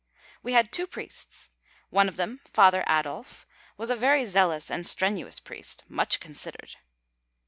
We had two priests. One of them, Father Adolf, was a very zealous and strenuous priest, much considered.